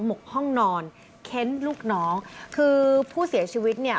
หกห้องนอนเค้นลูกน้องคือผู้เสียชีวิตเนี่ย